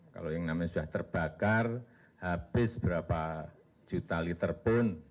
kalau yang namin sudah terbakar habis berapa juta literpun